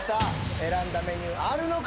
選んだメニューあるのか？